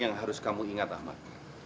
yang harus kamu ingat ahmad